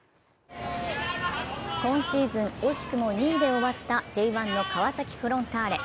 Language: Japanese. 今シーズン惜しくも２位で終わったＪ１の川崎フロンターレ。